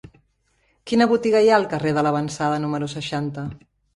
Quina botiga hi ha al carrer de L'Avançada número seixanta?